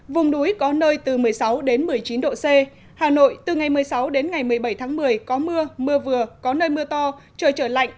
vùng núi có nơi từ một mươi sáu đến một mươi chín độ c hà nội từ ngày một mươi sáu đến ngày một mươi bảy tháng một mươi có mưa mưa vừa có nơi mưa to trời trở lạnh